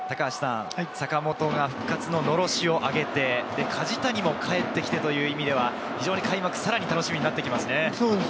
坂本が復活ののろしを上げて、梶谷も帰ってきてという意味では開幕戦、さらに楽しみになってきましたね。